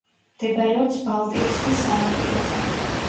მდებარეობს ბალტიის ზღვის სანაპიროზე.